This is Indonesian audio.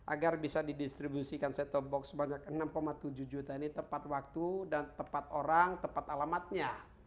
agar bisa didistribusikan set top box sebanyak enam tujuh juta ini tepat waktu dan tepat orang tepat alamatnya